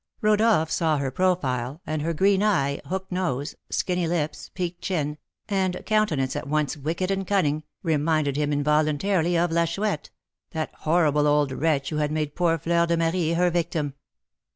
Rodolph saw her profile, and her green eye, hooked nose, skinny lips, peaked chin, and countenance at once wicked and cunning, reminded him involuntarily of La Chouette, that horrible old wretch who had made poor Fleur de Marie her victim.